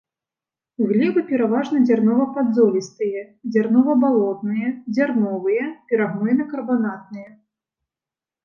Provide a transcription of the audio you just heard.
Глебы пераважна дзярнова-падзолістыя, дзярнова-балотныя, дзярновыя, перагнойна-карбанатныя.